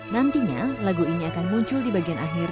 nantinya lagu ini akan muncul di bagian akhir